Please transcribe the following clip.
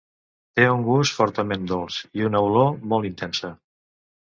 Té un gust fortament dolç i una olor molt intensa.